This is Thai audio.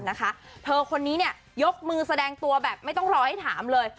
นะคะเธอคนนี้เนี่ยยกมือแสดงตัวแบบไม่ต้องรอให้ถามเลย